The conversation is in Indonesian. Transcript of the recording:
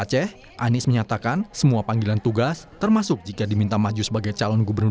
semua siap siapannya panggilan tugas itu selalu dipertimbangkan dengan serius